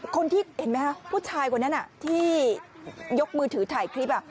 คนที่เห็นไหมคะผู้ชายคนนั้นที่ยกมือถือถ่ายคลิป